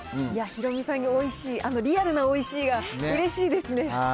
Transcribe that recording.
ヒロミさんにおいしい、リアルなおいしいがうれしいですね。